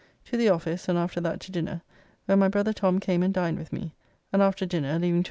To the office, and after that to dinner, where my brother Tom came and dined with me, and after dinner (leaving 12d.